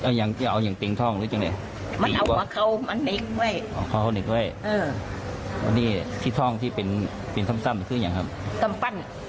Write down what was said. วันนี้ที่ท่องที่เป็นซ้ำคืออย่างไรครับ